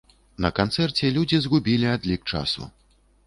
На канцэрце людзі згубілі адлік часу.